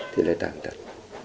thì lại tàn tật